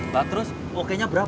bang terus okenya berapa